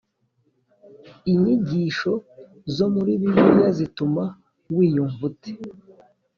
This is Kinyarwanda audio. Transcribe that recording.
Inyigisho zo muri Bibiliya zituma wiyumva ute